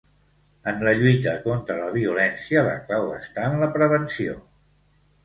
En la lluita contra la violència, la clau està en la prevenció.